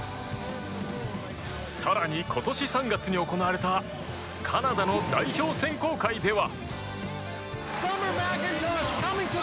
更に、今年３月に行われたカナダの代表選考会では。